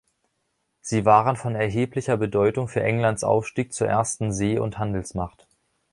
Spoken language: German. Sie waren von erheblicher Bedeutung für Englands Aufstieg zur ersten See- und Handelsmacht.